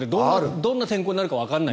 どんな天候になるかわからない。